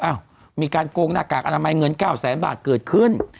มีการโกงหน้ากากอนามัยเงิน๙แสนบาทเกิดขึ้น